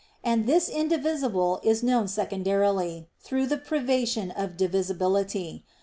And this indivisible is known secondarily, through the privation of divisibility.